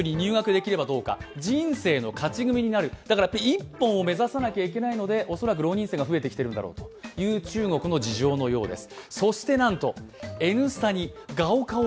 一本を目指さなきゃいけないので、恐らく浪人生が増えてきているんだろうという、中国の事情のようです。